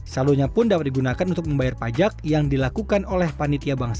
salurnya pun dapat digunakan untuk membayar pajak yang dilakukan oleh panitia bank sampah